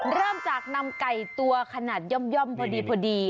เริ่มจากนำไก่ตัวขนาดย่อมพอดี